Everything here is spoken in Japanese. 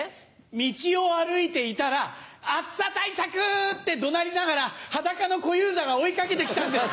道を歩いていたら「暑さ対策！」って怒鳴りながら裸の小遊三が追い掛けて来たんです。